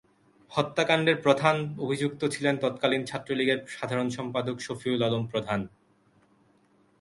হত্যাকাণ্ডের প্রধান অভিযুক্ত ছিলেন তৎকালীন ছাত্রলীগের সাধারণ সম্পাদক শফিউল আলম প্রধান।